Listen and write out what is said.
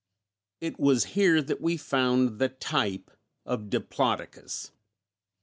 It was here that we found the type of Diplodocus.